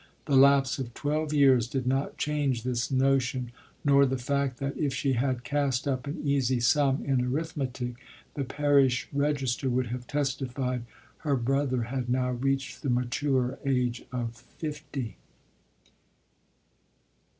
The lapse of twelve years did not change this notion, nor the fact that, if she had cast up an easy sum in arithmetic, the parish register would have testified, her brother had now reached the mature age of fifty.